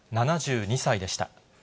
７２歳でした。